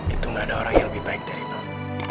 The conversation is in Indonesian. itu gak ada orang yang lebih baik dari dulu